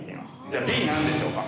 じゃあＢ何でしょうか？